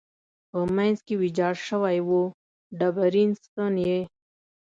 په منځ کې ویجاړ شوی و، ډبرین ستون یې.